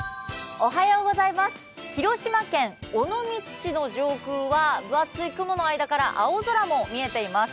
広島県尾道市の上空は、分厚い雲の間から太陽も見えています。